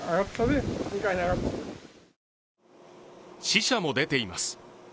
死者も出ています。